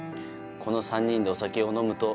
「この三人でお酒を呑むと」